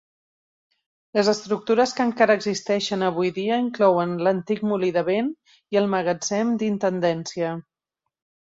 Les estructura que encara existeixen avui dia inclouen l'antic molí de vent i el magatzem d'intendència.